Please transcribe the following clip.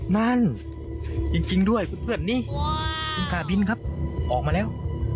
มันจริงจริงด้วยคุณเพื่อนนี่คิ้งกาบิ้นครับออกมาแล้ว